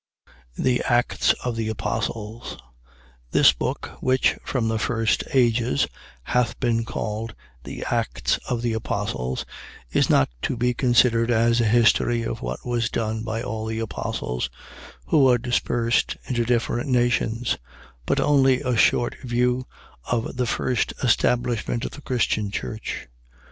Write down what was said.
THE ACTS OF THE APOSTLES This Book, which, from the first ages, hath been called, THE ACTS OF THE APOSTLES, is not to be considered as a history of what was done by all the Apostles, who were dispersed into different nations; but only a short view of the first establishment of the Christian Church.